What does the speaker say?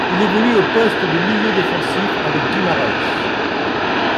Il évolue au poste de milieu défensif avec Guimaraães.